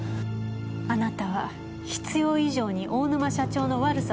あなたは必要以上に大沼社長の悪さを強調したわね。